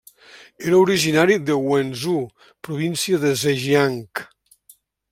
Era originari de Wenzhou, província de Zhejiang.